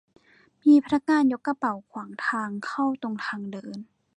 มีพนักงานยกกระเป๋าขวางทางเข้าตรงทางเดิน